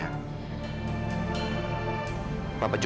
tidak ada apa apa lagi